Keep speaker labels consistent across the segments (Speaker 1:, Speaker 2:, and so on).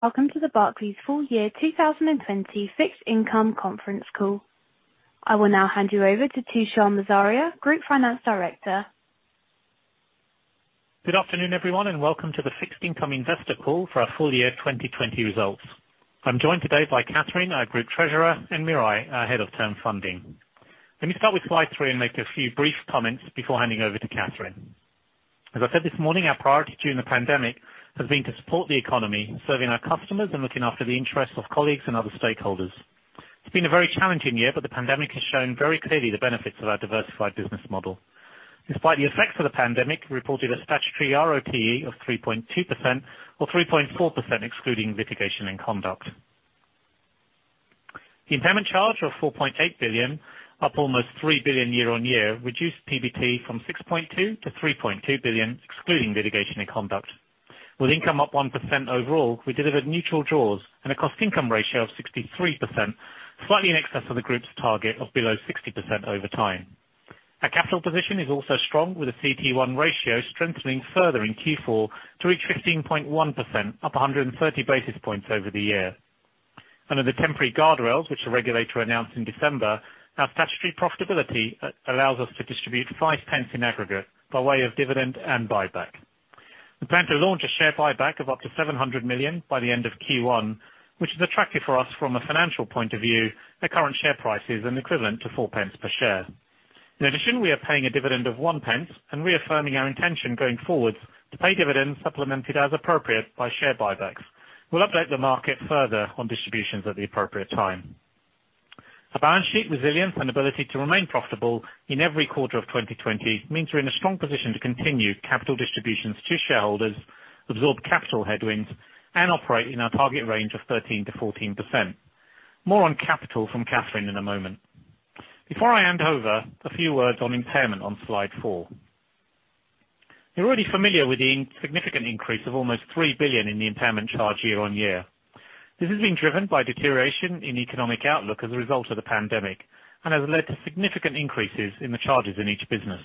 Speaker 1: Welcome to the Barclays full year 2020 Fixed Income conference call. I will now hand you over to Tushar Morzaria, Group Finance Director.
Speaker 2: Good afternoon, everyone, and welcome to the Fixed Income Investor Call for our full year 2020 results. I'm joined today by Kathryn, our Group Treasurer, and Miray, our Head of Term Funding. Let me start with slide three and make a few brief comments before handing over to Kathryn. As I said this morning, our priority during the pandemic has been to support the economy, serving our customers, and looking after the interests of colleagues and other stakeholders. It's been a very challenging year, the pandemic has shown very clearly the benefits of our diversified business model. Despite the effects of the pandemic, we reported a statutory RoTE of 3.2% or 3.4%, excluding litigation and conduct. The impairment charge of 4.8 billion, up almost 3 billion year-on-year, reduced PBT from 6.2 billion-3.2 billion, excluding litigation and conduct. With income up 1% overall, we delivered neutral jaws and a cost income ratio of 63%, slightly in excess of the group's target of below 60% over time. Our capital position is also strong with a CET1 ratio strengthening further in Q4 to reach 15.1%, up 130 basis points over the year. Under the temporary guardrails, which the regulator announced in December, our statutory profitability allows us to distribute 0.05 in aggregate by way of dividend and buyback. We plan to launch a share buyback of up to 700 million by the end of Q1, which is attractive for us from a financial point of view, the current share price is equivalent to 0.04 per share. In addition, we are paying a dividend of 0.01 and reaffirming our intention going forward to pay dividends supplemented as appropriate by share buybacks. We'll update the market further on distributions at the appropriate time. Our balance sheet resilience and ability to remain profitable in every quarter of 2020 means we're in a strong position to continue capital distributions to shareholders, absorb capital headwinds, and operate in our target range of 13%-14%. More on capital from Kathryn in a moment. Before I hand over, a few words on impairment on slide four. You're already familiar with the significant increase of almost 3 billion in the impairment charge year-on-year. This has been driven by deterioration in economic outlook as a result of the pandemic, and has led to significant increases in the charges in each business.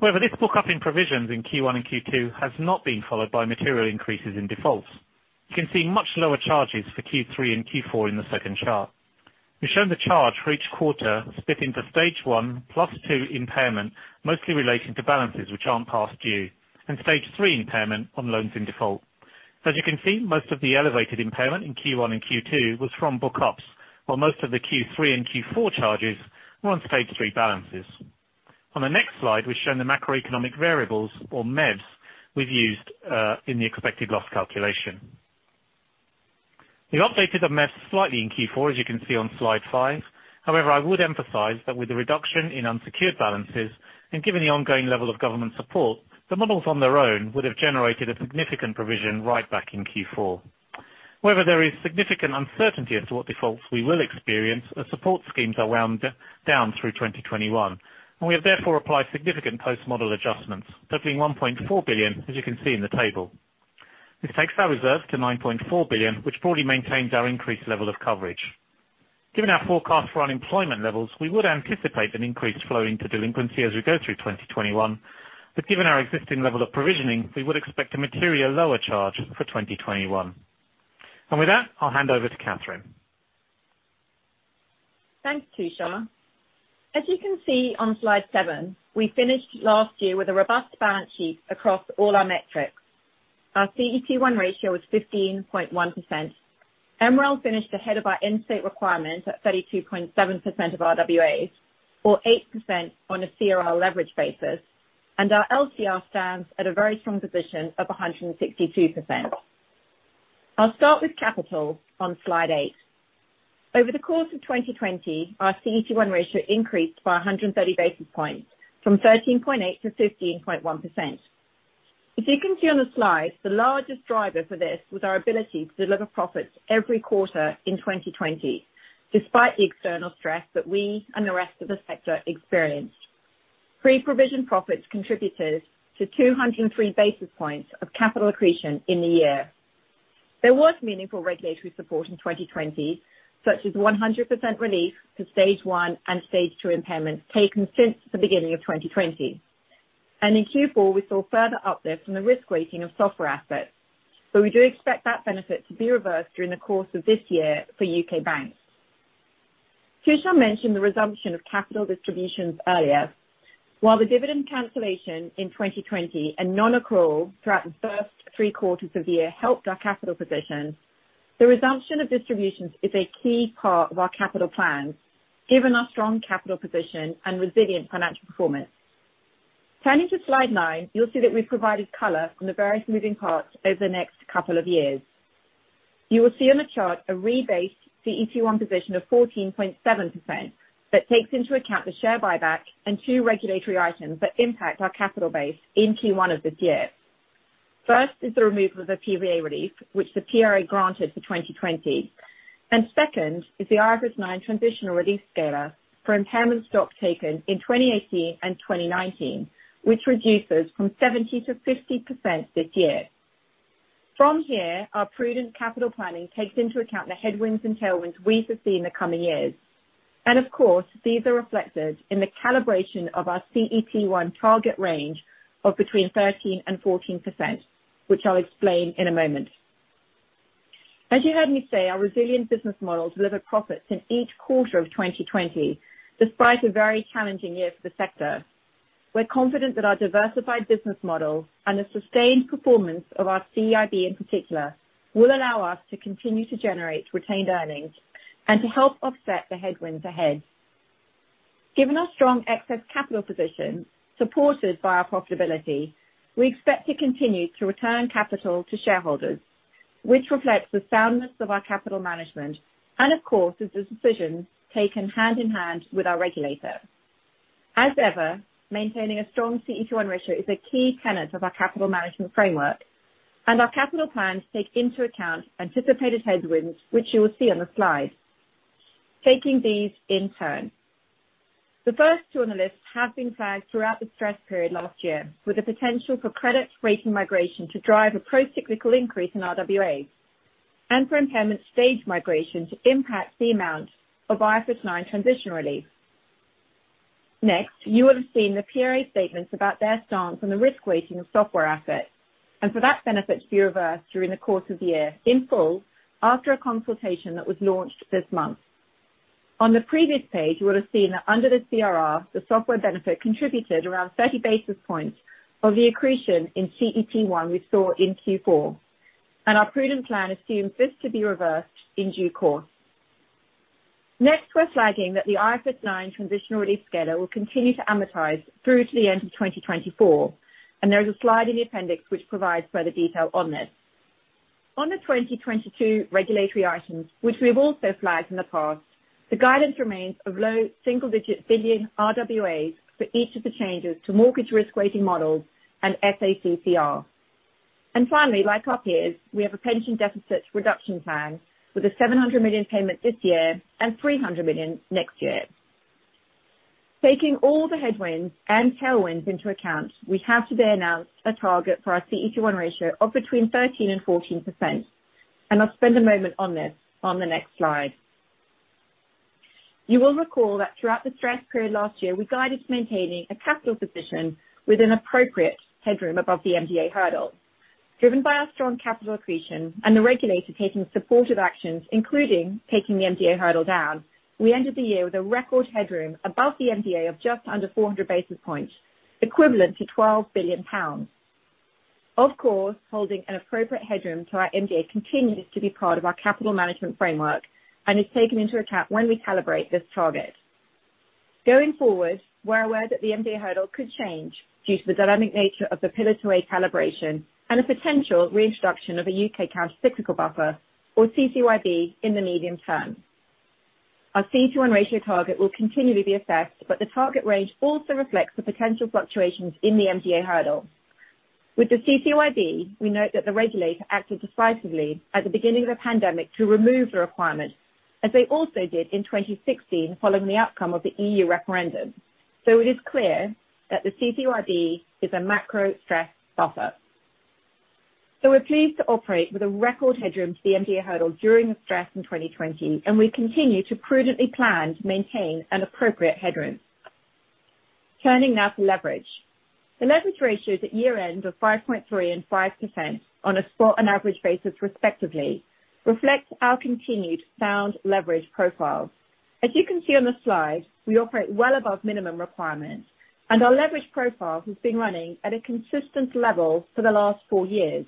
Speaker 2: However, this book up in provisions in Q1 and Q2 has not been followed by material increases in defaults. You can see much lower charges for Q3 and Q4 in the second chart. We've shown the charge for each quarter split into stage one plus two impairment, mostly relating to balances which aren't past due, and stage three impairment on loans in default. As you can see, most of the elevated impairment in Q1 and Q2 was from book ups, while most of the Q3 and Q4 charges were on stage three balances. On the next slide, we've shown the macroeconomic variables or MEVs we've used in the expected loss calculation. We updated the MEVs slightly in Q4, as you can see on slide five. However, I would emphasize that with the reduction in unsecured balances and given the ongoing level of government support, the models on their own would have generated a significant provision right back in Q4. However, there is significant uncertainty as to what defaults we will experience as support schemes are wound down through 2021, and we have therefore applied significant post-model adjustments totaling 1.4 billion, as you can see in the table. This takes our reserve to 9.4 billion, which broadly maintains our increased level of coverage. Given our forecast for unemployment levels, we would anticipate an increase flowing to delinquency as we go through 2021. Given our existing level of provisioning, we would expect a material lower charge for 2021. With that, I'll hand over to Kathryn.
Speaker 3: Thanks, Tushar. As you can see on slide seven, we finished last year with a robust balance sheet across all our metrics. Our CET1 ratio was 15.1%. MREL finished ahead of our end-state requirement at 32.7% of RWAs, or 8% on a CRR leverage basis, and our LCR stands at a very strong position of 162%. I'll start with capital on slide eight. Over the course of 2020, our CET1 ratio increased by 130 basis points from 13.8%-15.1%. As you can see on the slide, the largest driver for this was our ability to deliver profits every quarter in 2020, despite the external stress that we and the rest of the sector experienced. Pre-provision profits contributed to 203 basis points of capital accretion in the year. There was meaningful regulatory support in 2020, such as 100% relief to stage one and stage two impairments taken since the beginning of 2020. In Q4, we saw further uplift from the risk weighting of software assets, but we do expect that benefit to be reversed during the course of this year for U.K. banks. Tushar mentioned the resumption of capital distributions earlier. While the dividend cancellation in 2020 and non-accrual throughout the first three quarters of the year helped our capital position, the resumption of distributions is a key part of our capital plans, given our strong capital position and resilient financial performance. Turning to slide nine, you'll see that we've provided color on the various moving parts over the next couple of years. You will see on the chart a rebased CET1 position of 14.7% that takes into account the share buyback and two regulatory items that impact our capital base in Q1 of this year. First is the removal of the PVA relief, which the PRA granted for 2020. Second is the IFRS 9 transitional relief scaler for impairment stock taken in 2018 and 2019, which reduces from 70%-50% this year. From here, our prudent capital planning takes into account the headwinds and tailwinds we foresee in the coming years. Of course, these are reflected in the calibration of our CET1 target range of between 13%-14%, which I'll explain in a moment. As you heard me say, our resilient business model delivered profits in each quarter of 2020, despite a very challenging year for the sector. We're confident that our diversified business model and the sustained performance of our CIB in particular, will allow us to continue to generate retained earnings and to help offset the headwinds ahead. Given our strong excess capital position, supported by our profitability, we expect to continue to return capital to shareholders, which reflects the soundness of our capital management, and of course, is a decision taken hand in hand with our regulator. As ever, maintaining a strong CET1 ratio is a key tenet of our capital management framework, and our capital plans take into account anticipated headwinds, which you will see on the slide. Taking these in turn. The first on the list have been flagged throughout the stress period last year, with the potential for credit rating migration to drive a pro-cyclical increase in RWAs, and for impairment stage migration to impact the amount of IFRS 9 transition relief. Next, you will have seen the PRA statements about their stance on the risk weighting of software assets, for that benefit to be reversed during the course of the year in full after a consultation that was launched this month. On the previous page, you would have seen that under the CRR, the software benefit contributed around 30 basis points of the accretion in CET1 we saw in Q4. Our prudent plan assumes this to be reversed in due course. Next, we're flagging that the IFRS 9 transition relief scalar will continue to amortize through to the end of 2024, there is a slide in the appendix which provides further detail on this. On the 2022 regulatory items, which we have also flagged in the past, the guidance remains of low single-digit billion RWAs for each of the changes to mortgage risk weighting models and SACCR. Finally, like our peers, we have a pension deficit reduction plan with a 700 million payment this year and 300 million next year. Taking all the headwinds and tailwinds into account, we have today announced a target for our CET1 ratio of between 13% and 14%. I'll spend a moment on this on the next slide. You will recall that throughout the stress period last year, we guided maintaining a capital position with an appropriate headroom above the MDA hurdle. Driven by our strong capital accretion and the regulator taking supportive actions, including taking the MDA hurdle down, we ended the year with a record headroom above the MDA of just under 400 basis points, equivalent to 12 billion pounds. Of course, holding an appropriate headroom to our MDA continues to be part of our capital management framework and is taken into account when we calibrate this target. Going forward, we're aware that the MDA hurdle could change due to the dynamic nature of the Pillar 2A calibration and a potential reintroduction of a U.K. cash cyclical buffer or CCYB in the medium term. Our CET1 ratio target will continue to be assessed, but the target range also reflects the potential fluctuations in the MDA hurdle. With the CCYB, we note that the regulator acted decisively at the beginning of the pandemic to remove the requirement, as they also did in 2016 following the outcome of the EU referendum. It is clear that the CCYB is a macro stress buffer. We're pleased to operate with a record headroom to the MDA hurdle during the stress in 2020, and we continue to prudently plan to maintain an appropriate headroom. Turning now to leverage. The leverage ratios at year-end of 5.3% and 5% on a spot and average basis respectively, reflects our continued sound leverage profile. As you can see on the slide, we operate well above minimum requirements, and our leverage profile has been running at a consistent level for the last four years.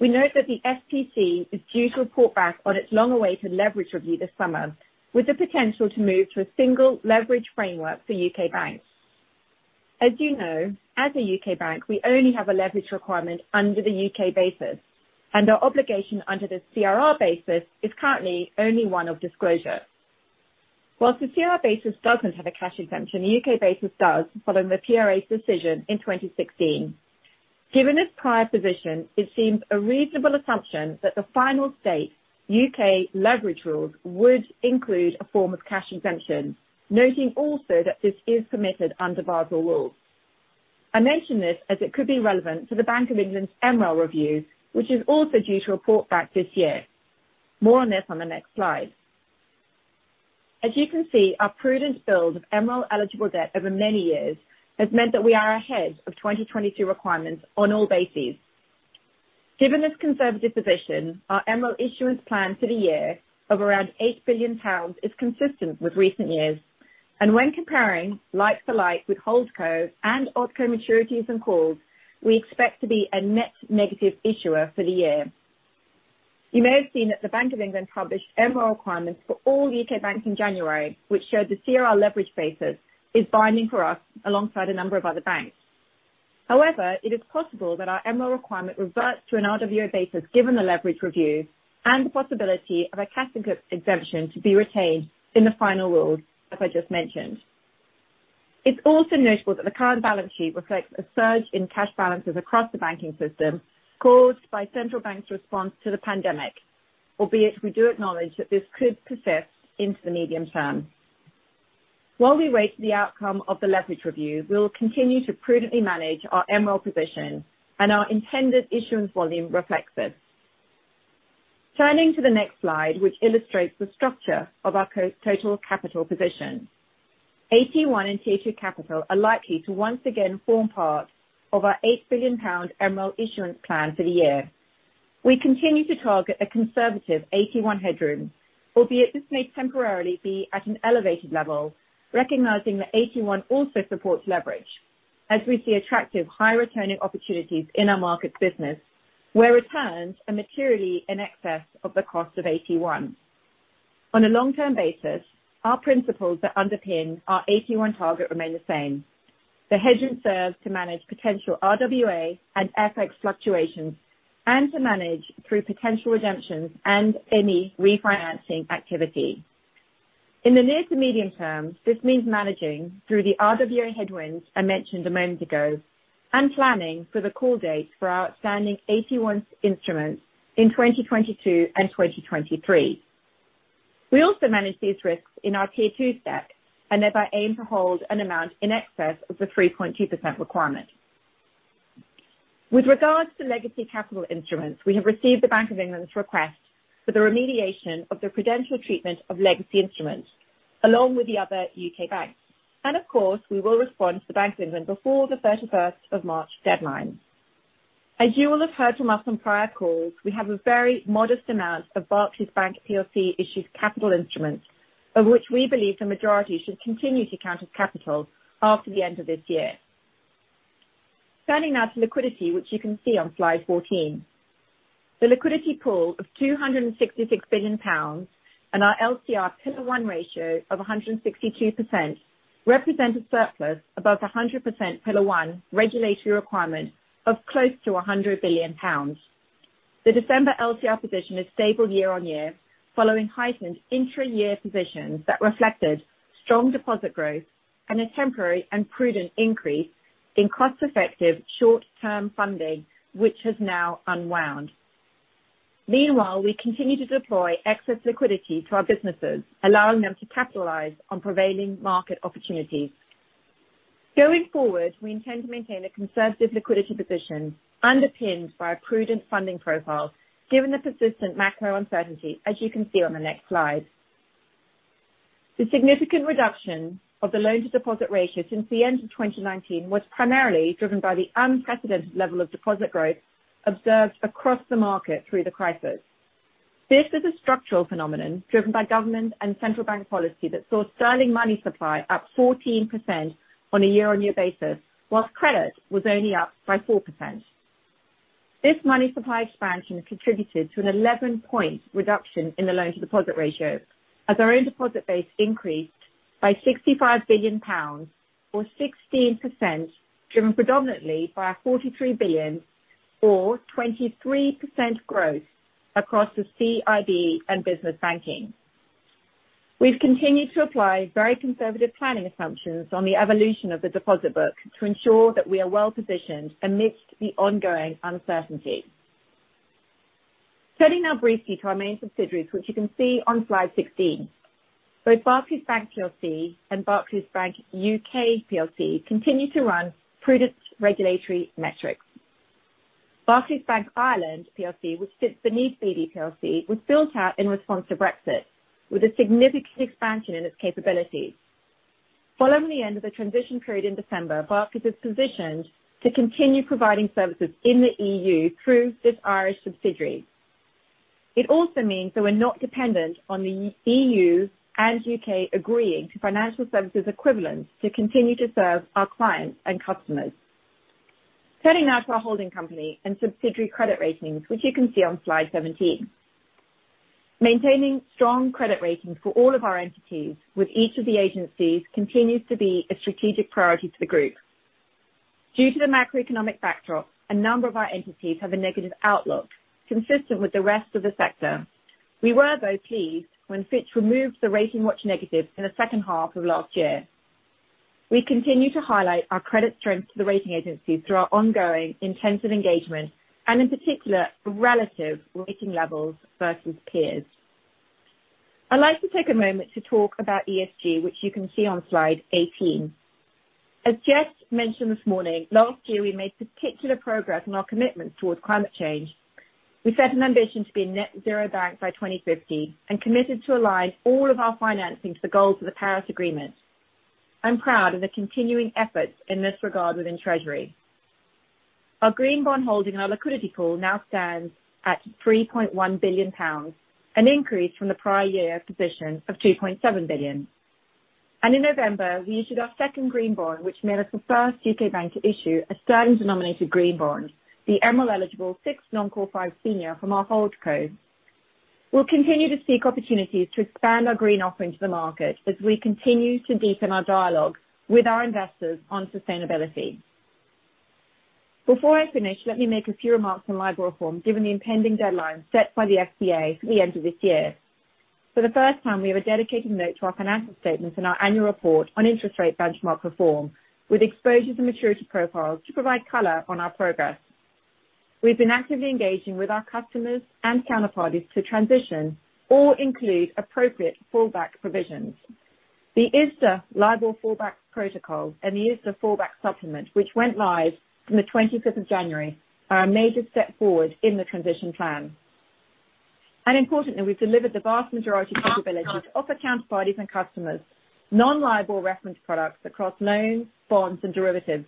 Speaker 3: We note that the FPC is due to report back on its long-awaited leverage review this summer with the potential to move to a single leverage framework for U.K. banks. As you know, as a U.K. bank, we only have a leverage requirement under the U.K. basis, and our obligation under the CRR basis is currently only one of disclosure. Whilst the CRR basis doesn't have a cash exemption, the U.K. basis does following the PRA's decision in 2016. Given this prior position, it seems a reasonable assumption that the final state U.K. leverage rules would include a form of cash exemption, noting also that this is permitted under Basel rules. I mention this as it could be relevant to the Bank of England's MREL review, which is also due to report back this year. More on this on the next slide. As you can see, our prudent build of MREL eligible debt over many years has meant that we are ahead of 2022 requirements on all bases. Given this conservative position, our MREL issuance plan for the year of around 8 billion pounds is consistent with recent years. When comparing like for like with holdco and OpCo maturities and calls, we expect to be a net negative issuer for the year. You may have seen that the Bank of England published MREL requirements for all U.K. banks in January, which showed the CRR leverage basis is binding for us alongside a number of other banks. It is possible that our MREL requirement reverts to an RWA basis given the leverage review and the possibility of a cash exemption to be retained in the final rules, as I just mentioned. It's also notable that the current balance sheet reflects a surge in cash balances across the banking system caused by central banks' response to the pandemic, albeit we do acknowledge that this could persist into the medium term. While we wait for the outcome of the leverage review, we will continue to prudently manage our MREL position and our intended issuance volume reflects this. Turning to the next slide, which illustrates the structure of our total capital position. AT1 and Tier two capital are likely to once again form part of our 8 billion pound MREL issuance plan for the year. We continue to target a conservative AT1 headroom, albeit this may temporarily be at an elevated level, recognizing that AT1 also supports leverage as we see attractive high returning opportunities in our markets business, where returns are materially in excess of the cost of AT1. On a long-term basis, our principles that underpin our AT1 target remain the same. The hedge serves to manage potential RWA and FX fluctuations, and to manage through potential redemptions and any refinancing activity. In the near to medium term, this means managing through the RWA headwinds I mentioned a moment ago, and planning for the call dates for our outstanding AT1 instruments in 2022 and 2023. We also manage these risks in our Tier 2 stack, and thereby aim to hold an amount in excess of the 3.2% requirement. With regards to legacy capital instruments, we have received the Bank of England's request for the remediation of the prudential treatment of legacy instruments, along with the other U.K. banks. Of course, we will respond to the Bank of England before the 31st of March deadline. As you will have heard from us on prior calls, we have a very modest amount of Barclays Bank PLC issued capital instruments, of which we believe the majority should continue to count as capital after the end of this year. Turning now to liquidity, which you can see on slide 14. The liquidity pool of 266 billion pounds and our LCR Pillar 1 ratio of 162% represent a surplus above 100% Pillar 1 regulatory requirement of close to 100 billion pounds. The December LCR position is stable year-on-year, following heightened intra-year positions that reflected strong deposit growth and a temporary and prudent increase in cost-effective short-term funding, which has now unwound. Meanwhile, we continue to deploy excess liquidity to our businesses, allowing them to capitalize on prevailing market opportunities. Going forward, we intend to maintain a conservative liquidity position underpinned by a prudent funding profile, given the persistent macro uncertainty as you can see on the next slide. The significant reduction of the loan-to-deposit ratio since the end of 2019 was primarily driven by the unprecedented level of deposit growth observed across the market through the crisis. This is a structural phenomenon driven by government and central bank policy that saw sterling money supply up 14% on a year-on-year basis, whilst credit was only up by 4%. This money supply expansion contributed to an 11-point reduction in the loan-to-deposit ratio, as our own deposit base increased by GBP 65 billion or 16%, driven predominantly by our GBP 43 billion or 23% growth across the CIB and business banking. We've continued to apply very conservative planning assumptions on the evolution of the deposit book to ensure that we are well positioned amidst the ongoing uncertainty. Turning now briefly to our main subsidiaries, which you can see on slide 16. Both Barclays Bank PLC and Barclays Bank UK PLC continue to run prudent regulatory metrics. Barclays Bank Ireland PLC, which sits beneath BB PLC, was built out in response to Brexit with a significant expansion in its capabilities. Following the end of the transition period in December, Barclays is positioned to continue providing services in the EU through this Irish subsidiary. It also means that we're not dependent on the EU and U.K. agreeing to financial services equivalence to continue to serve our clients and customers. Turning now to our holding company and subsidiary credit ratings, which you can see on slide 17. Maintaining strong credit ratings for all of our entities with each of the agencies continues to be a strategic priority to the group. Due to the macroeconomic backdrop, a number of our entities have a negative outlook, consistent with the rest of the sector. We were, though, pleased when Fitch removed the rating watch negative in the second half of last year. We continue to highlight our credit strength to the rating agencies through our ongoing intensive engagement, and in particular, relative rating levels versus peers. I'd like to take a moment to talk about ESG, which you can see on slide 18. As Jes mentioned this morning, last year, we made particular progress in our commitments towards climate change. We set an ambition to be a net zero bank by 2050 and committed to align all of our financing to the goals of the Paris Agreement. I'm proud of the continuing efforts in this regard within Treasury. Our green bond holding and our liquidity pool now stands at 3.1 billion pounds, an increase from the prior year position of $2.7 billion. In November, we issued our second green bond, which made us the first U.K. bank to issue a sterling-denominated green bond, the MREL-eligible sixth non-call five senior from our holdco. We'll continue to seek opportunities to expand our green offering to the market as we continue to deepen our dialogue with our investors on sustainability. Before I finish, let me make a few remarks on LIBOR reform, given the impending deadline set by the FCA for the end of this year. For the first time, we have a dedicated note to our financial statements in our annual report on interest rate benchmark reform, with exposures and maturity profiles to provide color on our progress. We've been actively engaging with our customers and counterparties to transition or include appropriate fallback provisions. The ISDA LIBOR fallback protocol and the ISDA fallback supplement, which went live on the 25th of January, are a major step forward in the transition plan. Importantly, we've delivered the vast majority of capabilities to offer counterparties and customers non-LIBOR referenced products across loans, bonds, and derivatives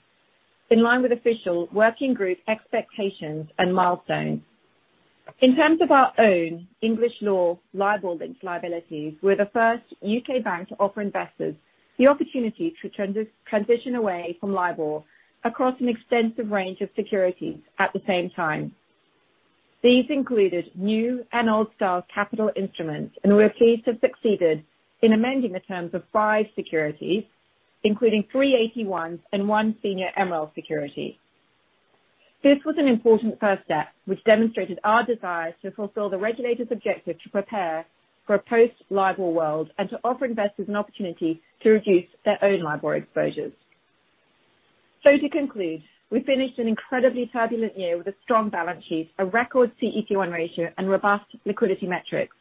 Speaker 3: in line with official working group expectations and milestones. In terms of our own English law LIBOR-linked liabilities, we're the first U.K. bank to offer investors the opportunity to transition away from LIBOR across an extensive range of securities at the same time. These included new and old-style capital instruments, we are pleased to have succeeded in amending the terms of five securities, including three AT1s and one senior MREL security. This was an important first step, which demonstrated our desire to fulfill the regulator's objective to prepare for a post-LIBOR world and to offer investors an opportunity to reduce their own LIBOR exposures. To conclude, we finished an incredibly turbulent year with a strong balance sheet, a record CET1 ratio, and robust liquidity metrics.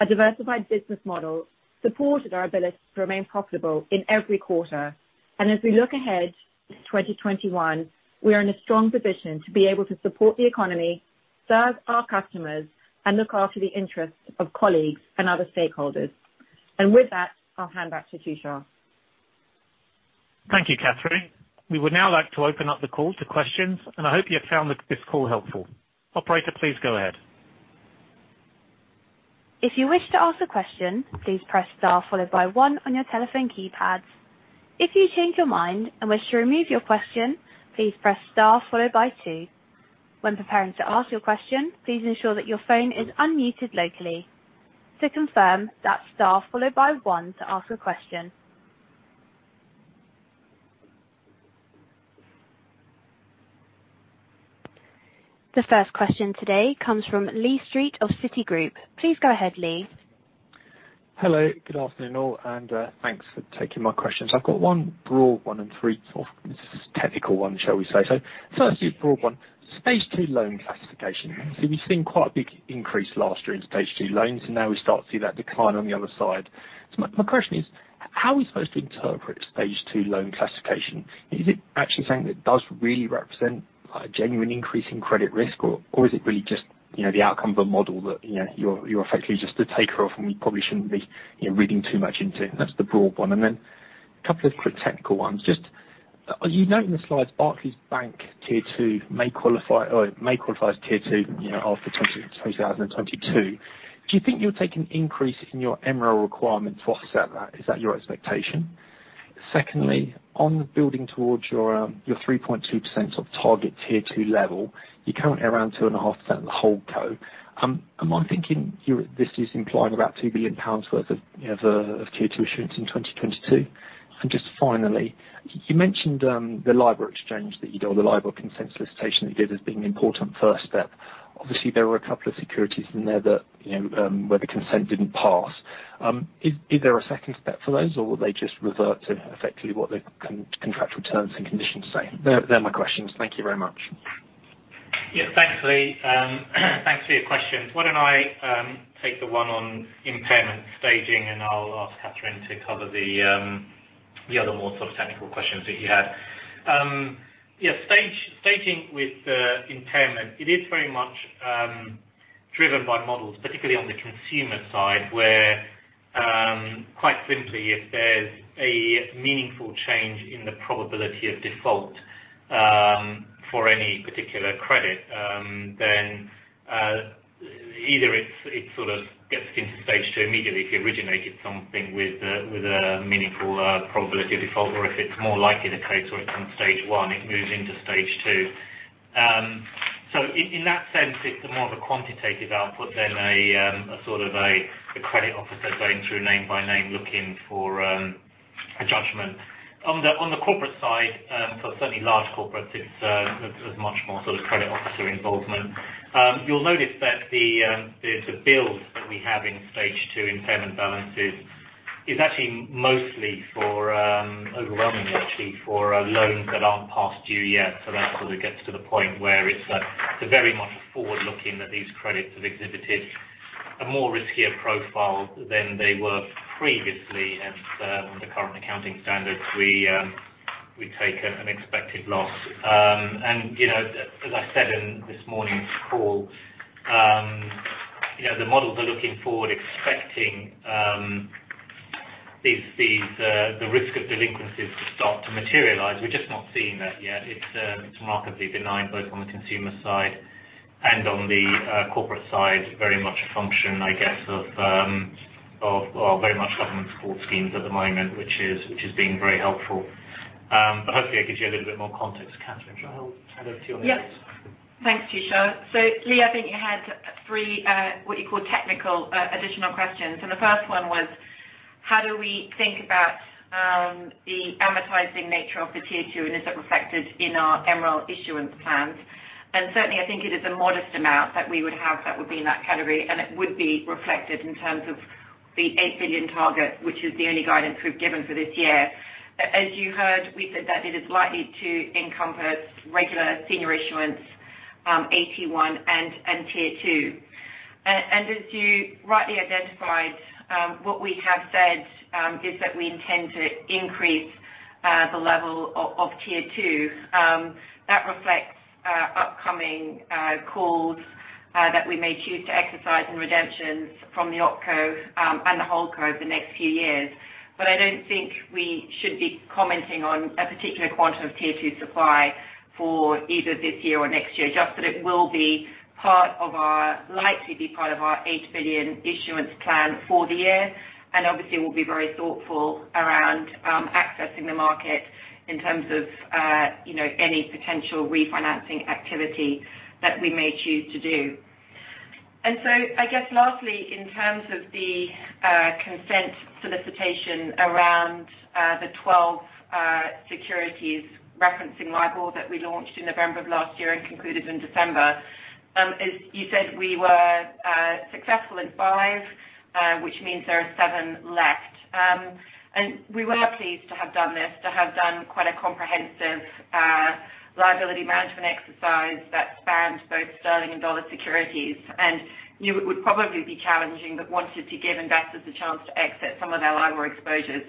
Speaker 3: A diversified business model supported our ability to remain profitable in every quarter. As we look ahead to 2021, we are in a strong position to be able to support the economy, serve our customers, and look after the interests of colleagues and other stakeholders. With that, I'll hand back to Tushar.
Speaker 2: Thank you, Kathryn. We would now like to open up the call to questions, and I hope you have found this call helpful. Operator, please go ahead.
Speaker 1: If you wish to ask a question, please press star followed by one on your telephone keypads. If you change your mind and wish to remove your question, please press star followed by two. When preparing to ask your question, please ensure that your phone is unmuted locally. To confirm, that's star followed by one to ask a question. The first question today comes from Lee Street of Citigroup. Please go ahead, Lee.
Speaker 4: Hello. Good afternoon all, and thanks for taking my questions. I've got one broad one and three sort of technical one, shall we say so. Firstly, one broad one, Stage 2 loan classification. We've seen quite a big increase last year in Stage 2 loans, and now we start to see that decline on the other side. My question is, how are we supposed to interpret Stage 2 loan classification? Is it actually saying that it does really represent a genuine increase in credit risk? Is it really just the outcome of a model that you're effectively just a taker of, and we probably shouldn't be reading too much into it? That's the broad one. A couple of quick technical ones. Just, you note in the slides Barclays Bank Tier 2 may qualify as Tier 2 after 2022. Do you think you'll take an increase in your MREL requirement to offset that? Is that your expectation? Secondly, on building towards your 3.2% of target Tier 2 level, you're currently around 2.5% holdco. Am I thinking this is implying about 2 billion pounds worth of Tier 2 issuance in 2022? Just finally, you mentioned the LIBOR exchange that you did, or the LIBOR consent solicitation that you did as being an important first step. Obviously, there were a couple of securities in there where the consent didn't pass. Is there a second step for those, or will they just revert to effectively what the contractual terms and conditions say? They're my questions. Thank you very much.
Speaker 2: Yeah, thanks, Lee. Thanks for your questions. Why don't I take the one on impairment staging, and I'll ask Kathryn to cover the other more sort of technical questions that you had. Yeah. Staging with the impairment, it is very much driven by models, particularly on the consumer side, where, quite simply, if there's a meaningful change in the probability of default for any particular credit, then either it sort of gets into Stage two immediately if you originated something with a meaningful probability of default, or if it's more likely the case where it's on Stage one, it moves into Stage two. In that sense, it's more of a quantitative output than a sort of a credit officer going through name by name looking for a judgment. On the corporate side, for certainly large corporates, there's much more sort of credit officer involvement. You'll notice that the build that we have in Stage two impairment balances is actually mostly for, overwhelmingly actually, for loans that aren't past due yet. That sort of gets to the point where it's very much forward-looking that these credits have exhibited a more riskier profile than they were previously. Under current accounting standards, we take an expected loss. As I said in this morning's call, the models are looking forward expecting the risk of delinquencies to start to materialize. We're just not seeing that yet. It's remarkably benign, both on the consumer side and on the corporate side. Very much a function, I guess of very much government support schemes at the moment, which is being very helpful. Hopefully, I give you a little bit more context. Kathryn, do you want to add on to your piece?
Speaker 3: Thanks, Tushar. Lee, I think you had three, what you call technical, additional questions. The first one was: how do we think about the amortizing nature of the Tier 2, and is it reflected in our MREL issuance plans? Certainly, I think it is a modest amount that we would have that would be in that category, and it would be reflected in terms of the 8 billion target, which is the only guidance we've given for this year. As you heard, we said that it is likely to encompass regular senior issuance, AT1, and Tier 2. As you rightly identified, what we have said is that we intend to increase the level of Tier 2. That reflects upcoming calls that we may choose to exercise and redemptions from the OpCo and the HoldCo over the next few years. I don't think we should be commenting on a particular quantum of Tier 2 supply for either this year or next year, just that it will likely be part of our 8 billion issuance plan for the year. Obviously, we'll be very thoughtful around accessing the market in terms of any potential refinancing activity that we may choose to do. I guess lastly, in terms of the consent solicitation around the 12 securities referencing LIBOR that we launched in November of last year and concluded in December. As you said, we were successful in five, which means there are seven left. We were pleased to have done this, to have done quite a comprehensive liability management exercise that spanned both sterling and dollar securities. You would probably be challenging but wanted to give investors a chance to exit some of their LIBOR exposures.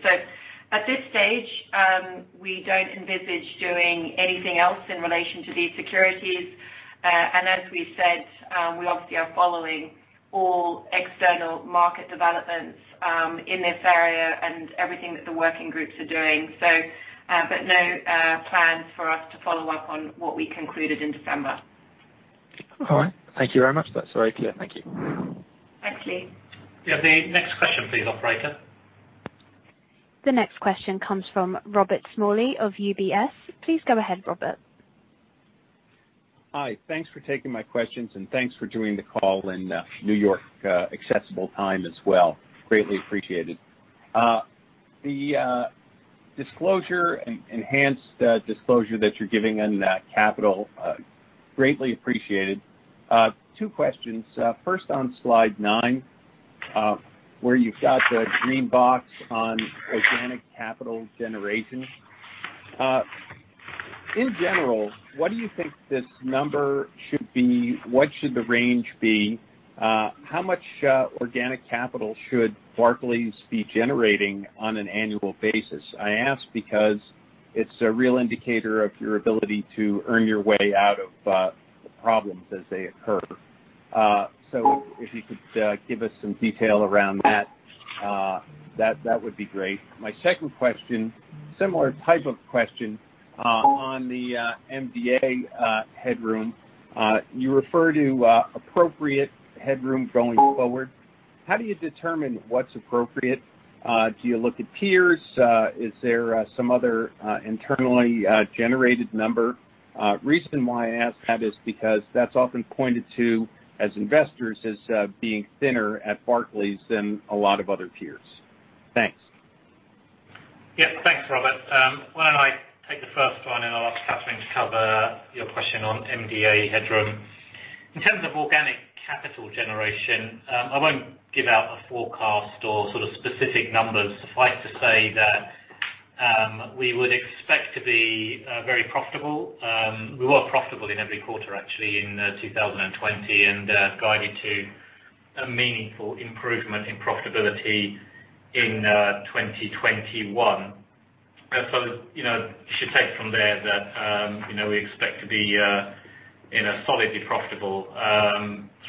Speaker 3: At this stage, we don't envisage doing anything else in relation to these securities. As we said, we obviously are following all external market developments in this area and everything that the working groups are doing. No plans for us to follow up on what we concluded in December.
Speaker 4: All right. Thank you very much. That's very clear. Thank you.
Speaker 3: Thanks, Lee.
Speaker 2: Yeah. The next question please, operator.
Speaker 1: The next question comes from Robert Smalley of UBS. Please go ahead, Robert.
Speaker 5: Hi. Thanks for taking my questions, and thanks for doing the call in New York accessible time as well. Greatly appreciated. The enhanced disclosure that you're giving on capital, greatly appreciated. Two questions. First, on slide nine, where you've got the green box on organic capital generation. In general, what do you think this number should be? What should the range be? How much organic capital should Barclays be generating on an annual basis? I ask because it's a real indicator of your ability to earn your way out of the problems as they occur. If you could give us some detail around that would be great. My second question, similar type of question on the MDA headroom. You refer to appropriate headroom going forward. How do you determine what's appropriate? Do you look at peers? Is there some other internally generated number? Reason why I ask that is because that's often pointed to, as investors, as being thinner at Barclays than a lot of other peers. Thanks.
Speaker 2: Yeah. Thanks, Robert. Why don't I take the first one, and I'll ask Kathryn to cover your question on MDA headroom. In terms of organic capital generation, I won't give out a forecast or specific numbers. Suffice to say that we would expect to be very profitable. We were profitable in every quarter, actually, in 2020, and guided to a meaningful improvement in profitability in 2021. I suppose you should take from there that we expect to be solidly profitable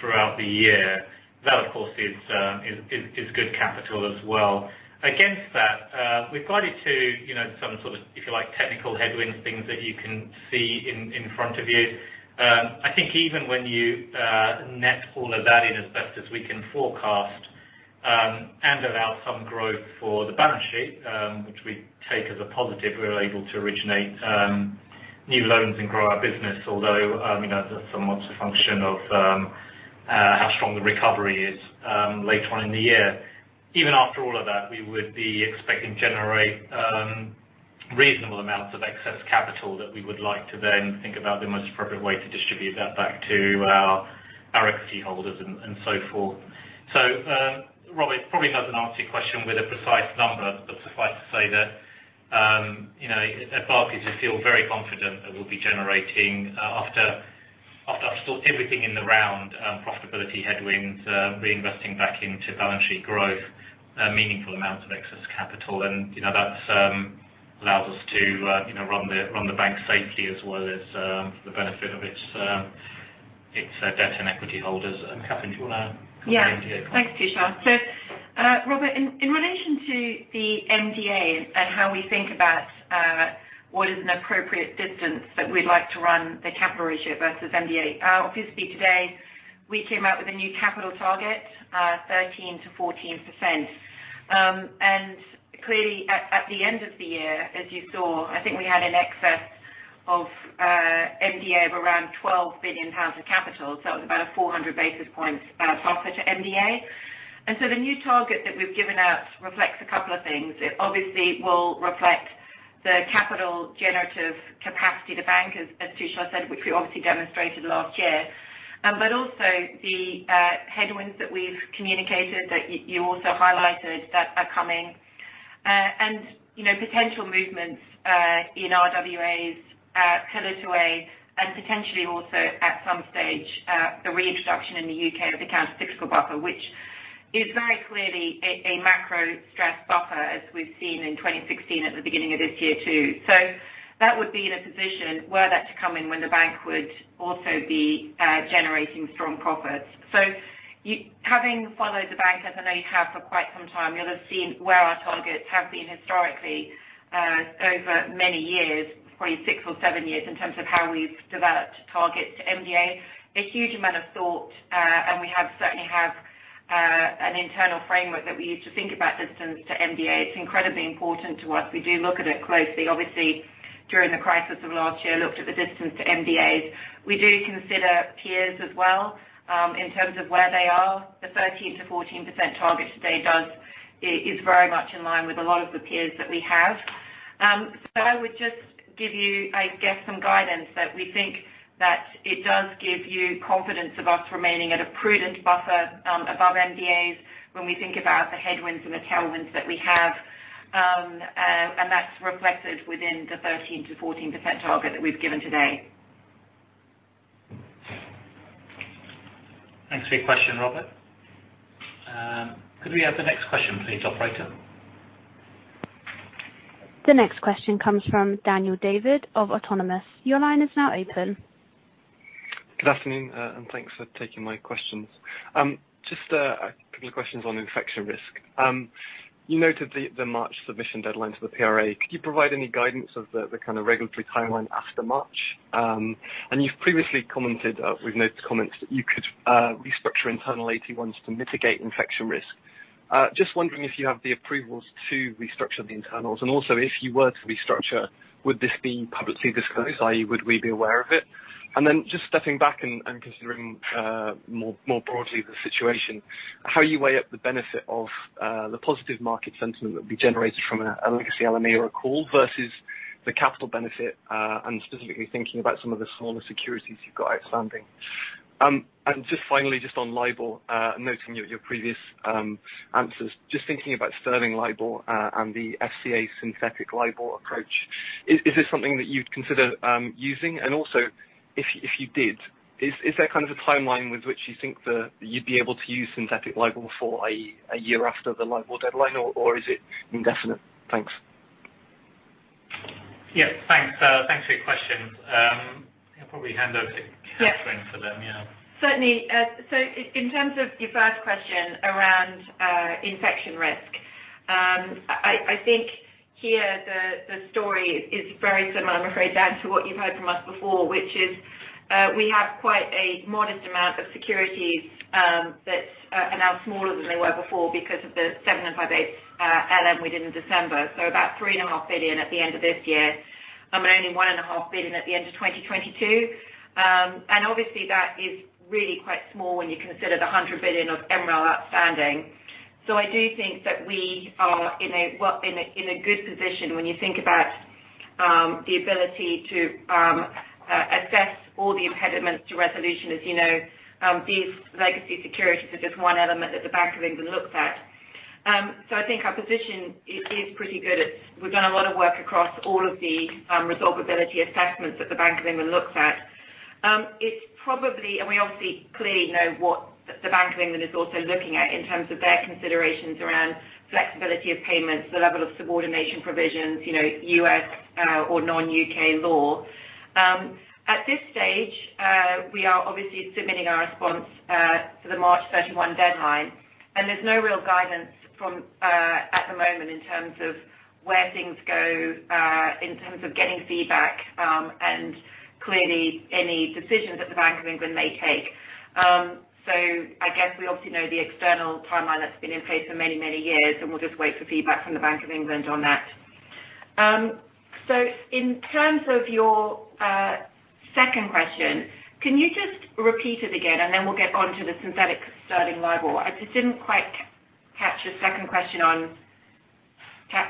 Speaker 2: throughout the year. That, of course, is good capital as well. Against that, we've guided to some sort of, if you like, technical headwinds, things that you can see in front of you. I think even when you net all of that in as best as we can forecast, allow some growth for the balance sheet, which we take as a positive, we were able to originate new loans and grow our business, although that's somewhat a function of how strong the recovery is later on in the year. Even after all of that, we would be expecting to generate reasonable amounts of excess capital that we would like to then think about the most appropriate way to distribute that back to our equity holders and so forth. Robert, probably doesn't answer your question with a precise number. Suffice to say that at Barclays, we feel very confident that we'll be generating, after I've sorted everything in the round, profitability headwinds, reinvesting back into balance sheet growth, meaningful amounts of excess capital. That allows us to run the bank safely as well as for the benefit of its debt and equity holders. Kathryn, do you want to cover the MDA part?
Speaker 3: Yeah. Thanks, Tushar. Robert, in relation to the MDA and how we think about what is an appropriate distance that we'd like to run the capital ratio versus MDA. Obviously today, we came out with a new capital target, 13%-14%. Clearly at the end of the year, as you saw, I think we had an excess of MDA of around 12 billion pounds of capital. It was about a 400 basis points buffer to MDA. The new target that we've given out reflects a couple of things. It obviously will reflect the capital generative capacity of the bank, as Tushar said, which we obviously demonstrated last year. Also the headwinds that we've communicated, that you also highlighted, that are coming. Potential movements in RWAs, Pillar 2A, and potentially also, at some stage, the reintroduction in the U.K. of the countercyclical buffer, which is very clearly a macro-stress buffer, as we've seen in 2016, at the beginning of this year, too. That would be in a position, were that to come in, when the bank would also be generating strong profits. Having followed the bank, as I know you have for quite some time, you'll have seen where our targets have been historically, over many years, probably six or seven years, in terms of how we've developed targets to MDA. A huge amount of thought, and we certainly have an internal framework that we use to think about distance to MDA. It's incredibly important to us. We do look at it closely. Obviously, during the crisis of last year, we looked at the distance to MDAs. We do consider peers as well, in terms of where they are. The 13%-14% target today is very much in line with a lot of the peers that we have. I would just give you some guidance that we think that it does give you confidence of us remaining at a prudent buffer above MDAs when we think about the headwinds and the tailwinds that we have. That's reflected within the 13%-14% target that we've given today.
Speaker 2: Thanks for your question, Robert. Could we have the next question please, operator?
Speaker 1: The next question comes from Danel David of Autonomous. Your line is now open.
Speaker 6: Good afternoon, thanks for taking my questions. Just a couple of questions on infection risk. You noted the March submission deadline to the PRA. Could you provide any guidance of the regulatory timeline after March? You've previously commented, we've noted comments that you could restructure internal AT1s to mitigate infection risk. Just wondering if you have the approvals to restructure the internals. Also, if you were to restructure, would this be publicly disclosed, i.e., would we be aware of it? Then just stepping back and considering more broadly the situation, how you weigh up the benefit of the positive market sentiment that would be generated from a legacy LME recall versus the capital benefit, I'm specifically thinking about some of the smaller securities you've got outstanding. Just finally, just on LIBOR, noting your previous answers, just thinking about sterling LIBOR and the FCA synthetic LIBOR approach. Is this something that you'd consider using? Also, if you did, is there a timeline with which you think that you'd be able to use synthetic LIBOR for a year after the LIBOR deadline, or is it indefinite? Thanks.
Speaker 2: Yeah. Thanks for your question. I'll probably hand over to Kathryn for them. Yeah.
Speaker 3: Certainly. In terms of your first question around infection risk, I think here the story is very similar, I'm afraid, Dan, to what you've heard from us before, which is, we have quite a modest amount of securities that are now smaller than they were before because of the 7 and 5/8 LME we did in December. About 3.5 billion at the end of this year, and only 1.5 billion at the end of 2022. Obviously, that is really quite small when you consider the 100 billion of MREL outstanding. I do think that we are in a good position when you think about the ability to assess all the impediments to resolution. As you know, these legacy securities are just one element that the Bank of England looks at. I think our position is pretty good. We've done a lot of work across all of the resolvability assessments that the Bank of England looks at. We obviously clearly know what the Bank of England is also looking at in terms of their considerations around flexibility of payments, the level of subordination provisions, U.S. or non-U.K. law. At this stage, we are obviously submitting our response to the March 31 deadline, and there's no real guidance at the moment in terms of where things go, in terms of getting feedback, and clearly any decisions that the Bank of England may take. I guess we obviously know the external timeline that's been in place for many, many years, and we'll just wait for feedback from the Bank of England on that. In terms of your second question, can you just repeat it again, and then we'll get onto the synthetic sterling LIBOR. I just didn't quite catch your second question on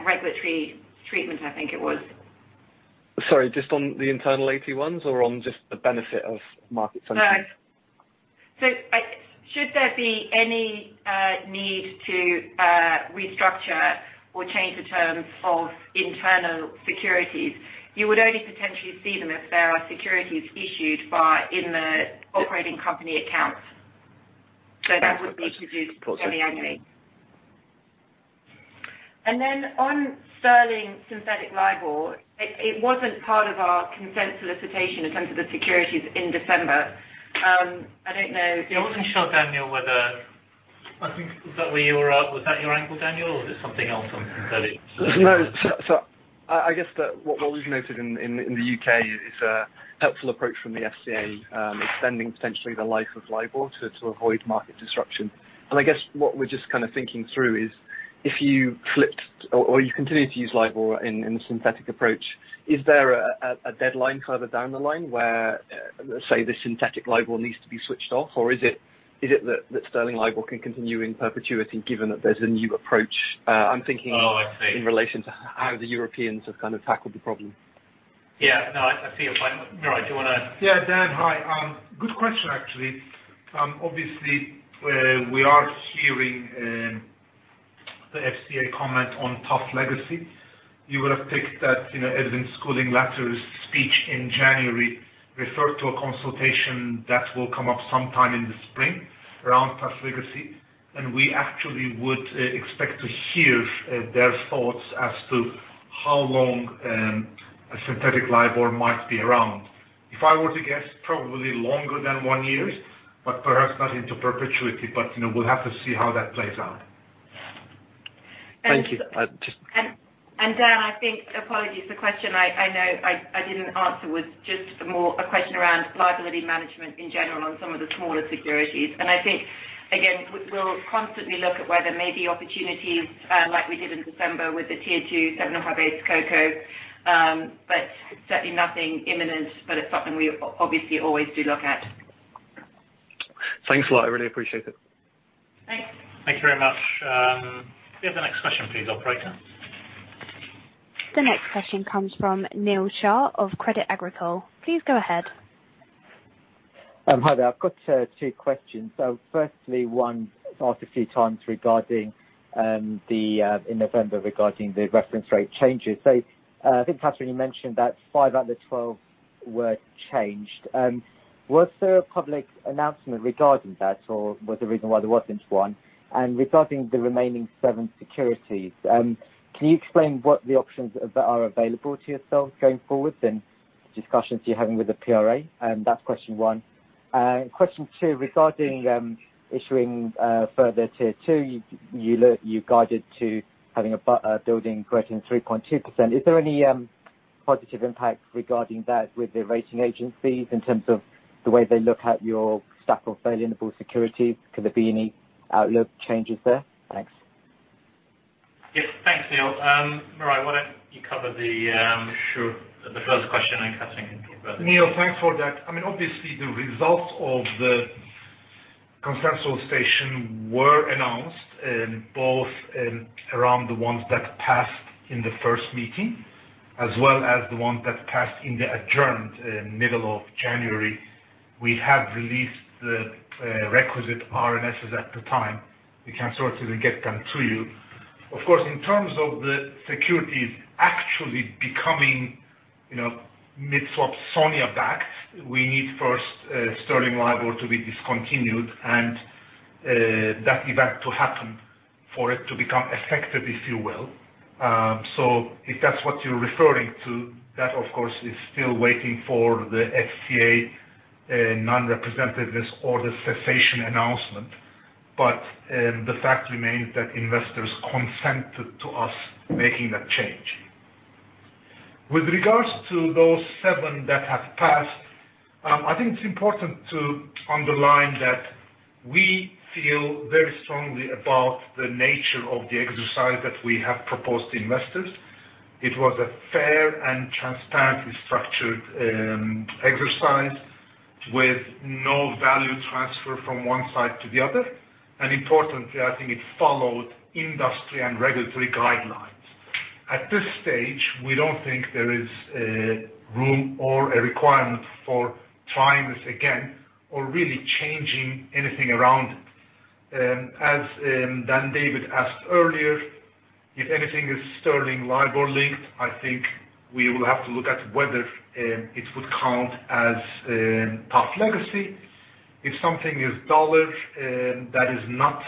Speaker 3: regulatory treatment, I think it was.
Speaker 6: Sorry, just on the internal AT1s or on just the benefit of market sentiment?
Speaker 3: No. Should there be any need to restructure or change the terms of internal securities, you would only potentially see them if there are securities issued via in the operating company accounts. That wouldn't be introduced semi-annually. Then on sterling synthetic LIBOR, it wasn't part of our consent solicitation in terms of the securities in December.
Speaker 2: Yeah, I wasn't sure, Daniel, whether I think, was that where you were at? Was that your angle, Daniel? Was it something else on sterling?
Speaker 6: No. I guess that what we've noted in the U.K. is a helpful approach from the FCA extending potentially the life of LIBOR to avoid market disruption. I guess what we're just thinking through is, if you flipped or you continue to use LIBOR in the synthetic approach. Is there a deadline further down the line where, let's say, the synthetic LIBOR needs to be switched off, or is it that sterling LIBOR can continue in perpetuity given that there's a new approach?
Speaker 2: Oh, I see.
Speaker 6: In relation to how the Europeans have tackled the problem.
Speaker 2: Yeah. No, I see your point. Miray, do you want to?
Speaker 7: Yeah, Dan, hi. Good question, actually. We are hearing the FCA comment on tough legacy. You will have picked that in Edwin Schooling Latter's speech in January referred to a consultation that will come up sometime in the spring around tough legacy. We actually would expect to hear their thoughts as to how long a synthetic LIBOR might be around. If I were to guess, probably longer than one year, perhaps not into perpetuity. We'll have to see how that plays out.
Speaker 6: Thank you.
Speaker 3: Dan, apologies for the question I know I didn't answer was just more a question around liability management in general on some of the smaller securities. I think, again, we'll constantly look at where there may be opportunities, like we did in December with the Tier 2, 7058 CoCo. Certainly nothing imminent, but it's something we obviously always do look at.
Speaker 6: Thanks a lot. I really appreciate it.
Speaker 3: Thanks.
Speaker 2: Thank you very much. Can we have the next question please, operator?
Speaker 1: The next question comes from Neel Shah of Credit Agricole. Please go ahead.
Speaker 8: Hi there. I've got two questions. Firstly, one, asked a few times in November regarding the reference rate changes. I think, Kathryn, you mentioned that five out of the 12 were changed. Was there a public announcement regarding that, or was the reason why there wasn't one? Regarding the remaining seven securities, can you explain what the options that are available to yourselves going forward and discussions you're having with the PRA? That's question one. Question two, regarding issuing further Tier 2, you guided to having a building equating 3.2%. Is there any positive impact regarding that with the rating agencies in terms of the way they look at your stack of variable securities? Could there be any outlook changes there? Thanks.
Speaker 2: Yes. Thanks, Neil. Miray, why don't you cover the-
Speaker 7: Sure.
Speaker 2: The first question, and Kathryn can talk about the second.
Speaker 7: Neel, thanks for that. Obviously, the results of the consent solicitation were announced both around the ones that passed in the first meeting as well as the ones that passed in the adjourned middle of January. We have released the requisite RNS at the time. We can sort and get them to you. In terms of the securities actually becoming mid swap SONIA-backed, we need first sterling LIBOR to be discontinued and that event to happen for it to become effective, if you will. If that's what you're referring to, that, of course, is still waiting for the FCA non-representativeness or the cessation announcement. The fact remains that investors consented to us making that change. With regards to those seven that have passed, I think it's important to underline that we feel very strongly about the nature of the exercise that we have proposed to investors. It was a fair and transparently structured exercise with no value transfer from one side to the other. Importantly, I think it followed industry and regulatory guidelines. At this stage, we don't think there is room or a requirement for trying this again or really changing anything around it. As Dan David asked earlier, if anything is sterling LIBOR linked, I think we will have to look at whether it would count as tough legacy. If something is dollar that is not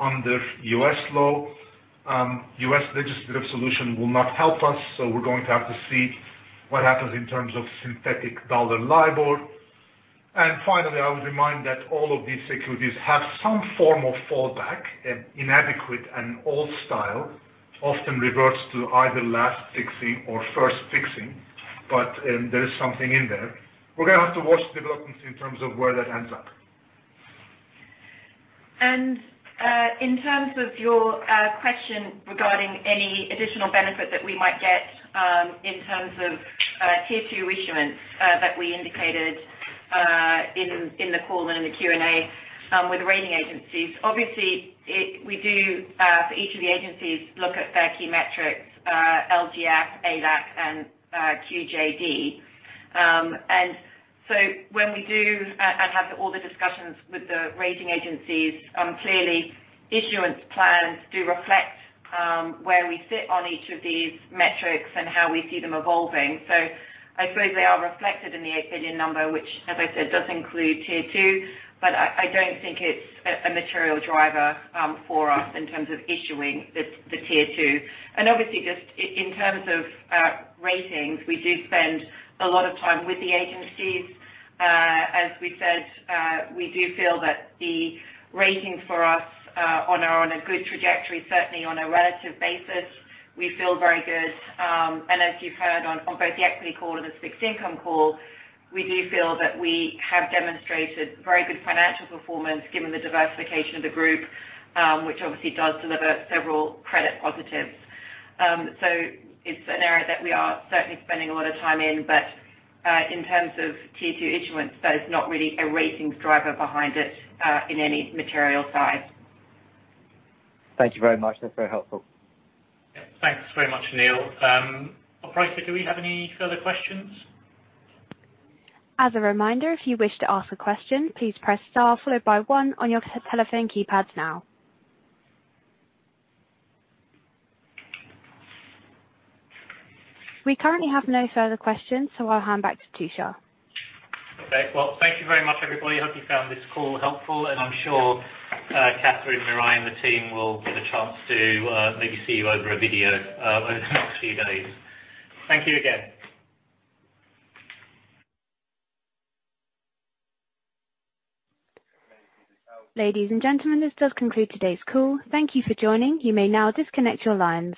Speaker 7: under U.S. law, U.S. legislative solution will not help us, so we're going to have to see what happens in terms of synthetic dollar LIBOR. Finally, I would remind that all of these securities have some form of fallback, inadequate and old style, often reverts to either last fixing or first fixing. There is something in there. We're going to have to watch developments in terms of where that ends up.
Speaker 3: In terms of your question regarding any additional benefit that we might get in terms of Tier 2 issuance that we indicated in the call and in the Q&A with rating agencies. Obviously, we do, for each of the agencies, look at their key metrics, LGF, ALAC, and QJD. When we do and have all the discussions with the rating agencies, clearly issuance plans do reflect where we sit on each of these metrics and how we see them evolving. I suppose they are reflected in the 8 billion number, which, as I said, does include Tier 2, but I don't think it's a material driver for us in terms of issuing the Tier 2. Obviously just in terms of ratings, we do spend a lot of time with the agencies. As we said, we do feel that the ratings for us are on a good trajectory, certainly on a relative basis. We feel very good. As you've heard on both the equity call and the fixed income call, we do feel that we have demonstrated very good financial performance given the diversification of the group, which obviously does deliver several credit positives. It's an area that we are certainly spending a lot of time in. In terms of Tier 2 issuance, that is not really a ratings driver behind it in any material size.
Speaker 8: Thank you very much. That's very helpful.
Speaker 2: Yeah. Thanks very much, Neel. Operator, do we have any further questions?
Speaker 1: As a reminder, if you wish to ask a question, please press star followed by one on your telephone keypads now. We currently have no further questions. I'll hand back to Tushar.
Speaker 2: Okay. Well, thank you very much, everybody. Hope you found this call helpful, and I'm sure Kathryn, Miray, and the team will get a chance to maybe see you over a video over the next few days. Thank you again.
Speaker 1: Ladies and gentlemen, this does conclude today's call. Thank you for joining. You may now disconnect your lines.